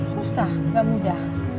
susah nggak mudah